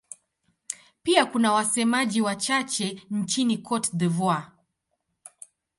Pia kuna wasemaji wachache nchini Cote d'Ivoire.